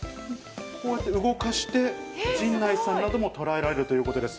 こうやって動かして、陣内さんなども捉えられるということです。